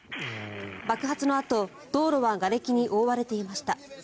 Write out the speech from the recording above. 爆発のあと、道路はがれきに覆われていました。